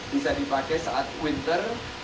bisa dipakai saat winter